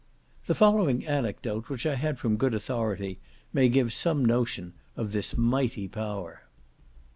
The following anecdote, which I had from good authority, may give some notion of this mighty power.